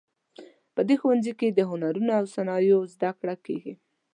په دې ښوونځي کې د هنرونو او صنایعو زده کړه کیږي